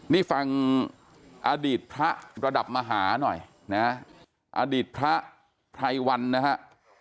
นี่ฟังอดีตพระระดับมหาหน่อยนะอดีตพระไพรวันนะฮะ